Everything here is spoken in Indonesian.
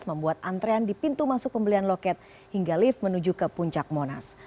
membuat antrean di pintu masuk pembelian loket hingga lift menuju ke puncak monas